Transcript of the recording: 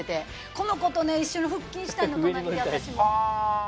この子と一緒に腹筋したいの隣で私も。